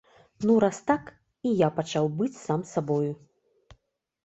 Ну, раз так, і я пачаў быць сам сабою.